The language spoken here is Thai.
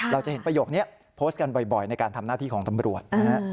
เราจะเห็นประโยคนี้โพสต์กันบ่อยในการทำหน้าที่ของตำรวจนะฮะ